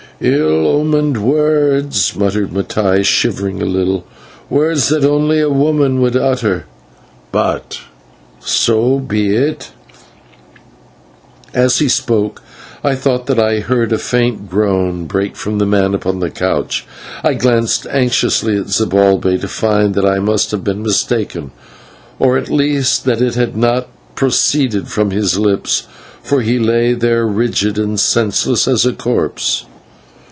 "Ill omened words," muttered Mattai, shivering a little, "words that only a woman would utter; but so be it." As he spoke I thought that I heard a faint groan break from the man upon the couch. I glanced anxiously at Zibalbay, to find that I must have been mistaken, or, at least, that it had not proceeded from his lips, for he lay there rigid and senseless as a corpse.